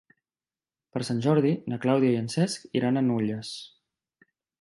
Per Sant Jordi na Clàudia i en Cesc iran a Nulles.